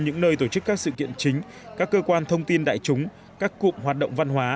những nơi tổ chức các sự kiện chính các cơ quan thông tin đại chúng các cụm hoạt động văn hóa